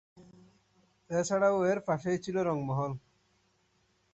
এছাড়াও এর পাশেই ছিলো রঙ মহল।